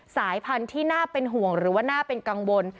สายพันธุ์ที่น่าเป็นห่วงหรือว่าน่าเป็นกังวล